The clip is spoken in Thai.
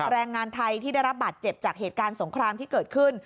แรงงานไทยที่ได้รับบาดเจ็บจากเหตุการณ์สงครามที่เกิดขึ้น